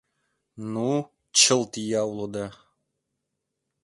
Ну, чылт ия улыда!